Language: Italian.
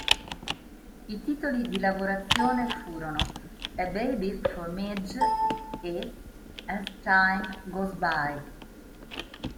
I titoli di lavorazione furono "A Baby for Midge" e "As Time Goes By".